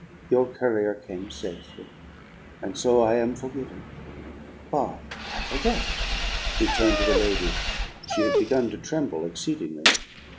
Your courier came safely. And so I am forgiven! But I forget." He turned to the lady. She had begun to tremble exceedingly.